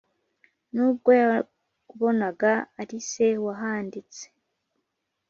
nubwo yabonaga arise wahanditse